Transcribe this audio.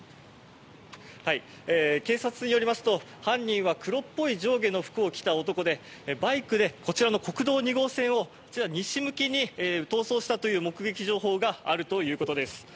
警察によりますと犯人は黒っぽい上下の服を着た男でバイクで、こちらの国道２号線を西向きに逃走したという目撃情報があるということです。